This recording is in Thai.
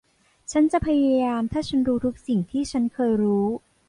ฉันจะพยายามถ้าฉันรู้ทุกสิ่งที่ฉันเคยรู้